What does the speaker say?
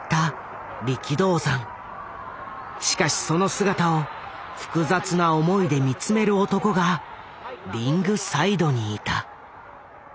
しかしその姿を複雑な思いで見つめる男がリングサイドにいた。